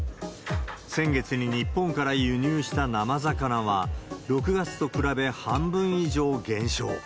先月に日本から輸入した生魚は、６月と比べ半分以上減少。